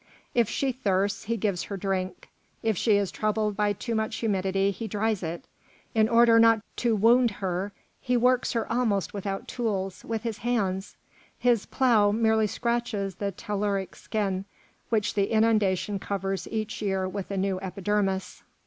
If she thirsts, he gives her drink, if she is troubled by too much humidity, he dries it; in order not to wound her, he works her almost without tools, with his hands; his plough merely scratches the telluric skin, which the inundation covers each year with a new epidermis.